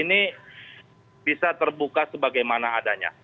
ini bisa terbuka sebagaimana adanya